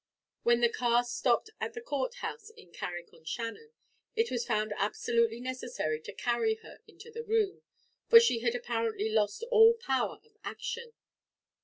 When the car stopped at the court house in Carrick on Shannon, it was found absolutely necessary to carry her into the room, for she had apparently lost all power of action.